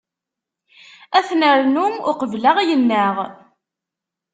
Ad t-nernu uqebl ad ɣ-yennaɣ.